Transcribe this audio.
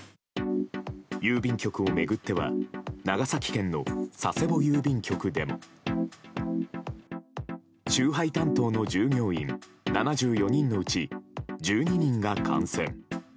郵便局を巡っては長崎県の佐世保郵便局でも集配担当の従業員７４人のうち１２人が感染。